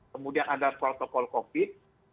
kemudian ada protokol covid